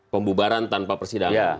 pembubaran tanpa persidangan